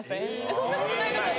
そんなことないのかな？